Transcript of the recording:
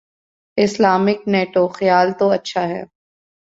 Islamic NATO: خیال تو اچھا ہے۔